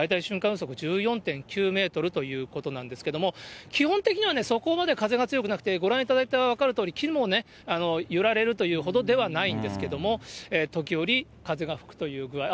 風速１４．９メートルということなんですけども、基本的にはそこまで風が強くなくて、ご覧いただいたら分かるとおり、木がね、揺られるというほどではないんですけれども、時折風が吹くというぐらい。